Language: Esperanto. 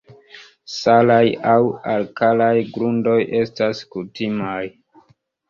Salaj aŭ alkalaj grundoj estas kutimaj.